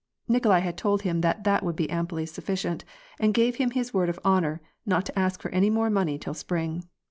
Nikolai had told him that that would be amply sufficient, and gave him his word of honor not to ask for any more money till spring.